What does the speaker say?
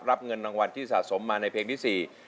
รับเงินรางวัลที่สะสมมาในเพลงที่๔